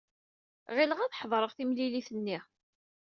Ɣileɣ ad tḥedṛeḍ timlilit-nni.